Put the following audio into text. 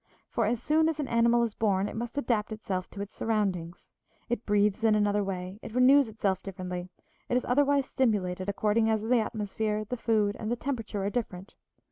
For, as soon as an animal is born it must adapt itself to its surroundings; it breathes in another way, it renews itself differently, it is otherwise stimulated according as the atmosphere, the food, and the temperature are different.